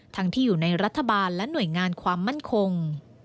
ที่อยู่ในรัฐบาลและหน่วยงานความมั่นคง